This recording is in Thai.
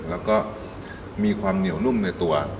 แล้วก็มีความเหนียวนุ่มในตัว